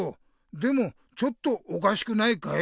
でもちょっとおかしくないかい？